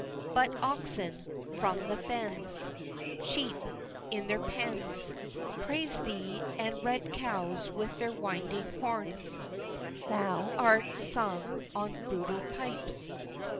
But oxen, from the fens, Sheep in their pens, Praise thee, and red cows with their winding horns! Thou art sung on brutal pipes!